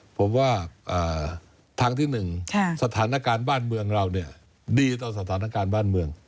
ผมว่าทางที่๑สถานการณ์บ้านเมืองเราดีต่อสถานการณ์บ้านเมือง